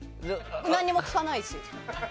何も聞かないし。